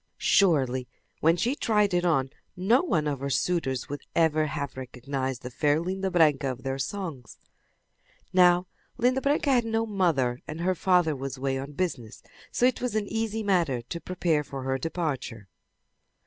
Surely, when she tried it on no one of her suitors would ever have recognized the fair Linda Branca of their songs. Now Linda Branca had no mother, and her father was away on business, so it was an easy matter to prepare for her departure.